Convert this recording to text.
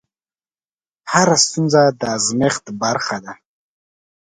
هره ستونزه د ازمېښت برخه ده.